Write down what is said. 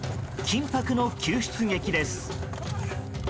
緊迫の救出劇です。